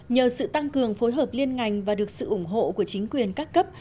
nhờ sự tăng cường phối hợp liên ngành và được sự ủng hộ của chính quyền các cấp